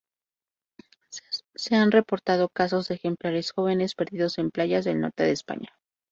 Se han reportado casos de ejemplares jóvenes perdidos en playas del norte de España.